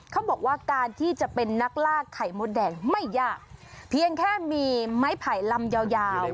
เขาบอกว่าการที่จะเป็นนักลากไข่มดแดงไม่ยากเพียงแค่มีไม้ไผ่ลำยาวยาว